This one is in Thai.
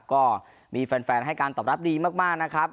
ก็มีแฟนให้การตอบรับดีมากนะครับ